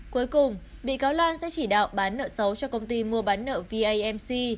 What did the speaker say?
cuối cùng bị cáo lan sẽ chỉ đạo bán nợ xấu cho công ty mua bán nợ vamc